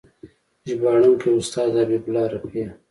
ژباړونکی: استاد حبیب الله رفیع